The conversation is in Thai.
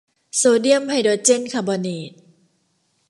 โซเดียมไฮโดรเจนคาร์บอเนต